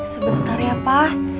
sebentar ya pa